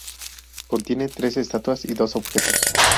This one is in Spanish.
Contiene trece estatuas y dos objetos.